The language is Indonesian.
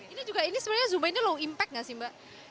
ini juga ini sebenarnya zumba ini low impact nggak sih mbak